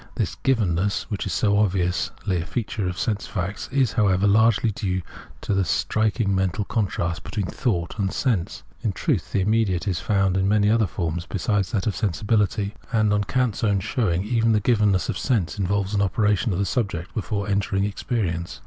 This givenness, which is so obvious a feature of sense facts, is, however, largely due to the striking mental contrast between ' thought ' and ' sense.' In truth, the im mediate is found in many other forms besides that of sensibility ; and, on Kant's own showing, even the given ness of sense involves an operation of the subject before emtering ' experience.'